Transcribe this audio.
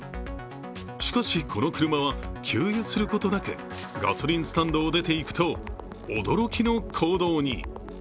しかし、この車は給油することなくガソリンスタンドを出ていくと、驚きの行動に。